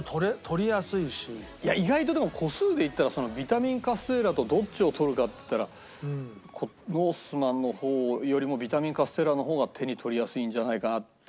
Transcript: いや意外とでも個数でいったらビタミンカステーラとどっちを取るかっていったらノースマンの方よりもビタミンカステーラの方が手に取りやすいんじゃないかな。